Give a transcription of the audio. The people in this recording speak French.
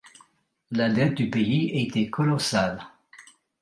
La dette du pays était colossale.